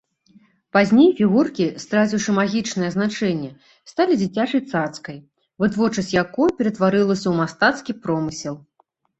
Пазней фігуркі, страціўшы магічнае значэнне, сталі дзіцячай цацкай, вытворчасць якой ператварылася ў мастацкі промысел.